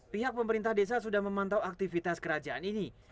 pihak pemerintah desa sudah memantau aktivitas kerajaan ini